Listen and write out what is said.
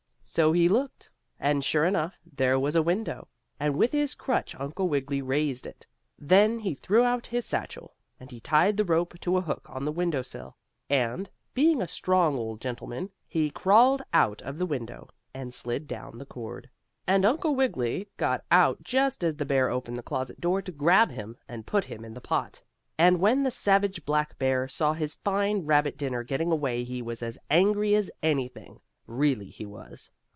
So he looked, and sure enough there was a window. And with his crutch Uncle Wiggily raised it. Then he threw out his satchel, and he tied the rope to a hook on the window sill, and, being a strong old gentleman, he crawled out of the window, and slid down the cord. And Uncle Wiggily got out just as the bear opened the closet door to grab him, and put him in the pot, and when the savage black creature saw his fine rabbit dinner getting away he was as angry as anything, really he was.